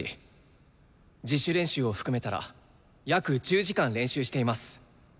自主練習を含めたら約１０時間練習しています。